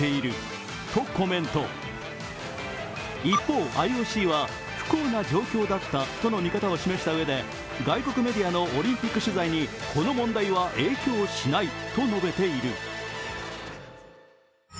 一方ＩＯＣは不幸な状況だったとの見方を示した上で外国メディアのオリンピック取材にこの問題は影響しないと述べている。